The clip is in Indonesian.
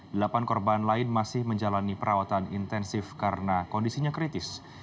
delapan korban lain masih menjalani perawatan intensif karena kondisinya kritis